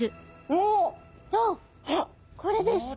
おっこれですね。